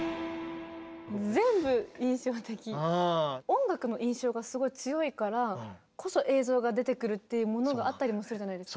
音楽の印象がすごい強いからこそ映像が出てくるっていうものがあったりもするじゃないですか。